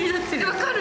分かる！